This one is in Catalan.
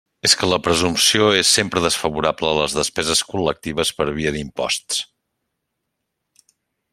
És que la presumpció és sempre desfavorable a les despeses col·lectives per via d'imposts.